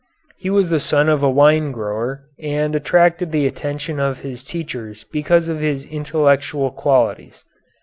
He was the son of a wine grower, and attracted the attention of his teachers because of his intellectual qualities.